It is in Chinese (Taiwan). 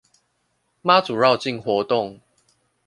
媽祖繞境活動